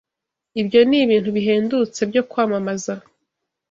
Ibyo ni ibintu bihendutse byo kwamamaza.